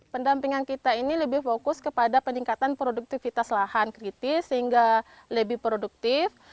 pendampingan kita ini lebih fokus kepada peningkatan produktivitas lahan kritis sehingga lebih produktif